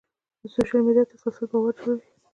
د سوشل میډیا تسلسل باور جوړوي.